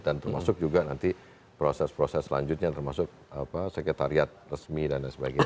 dan termasuk juga nanti proses proses selanjutnya termasuk sekretariat resmi dan sebagainya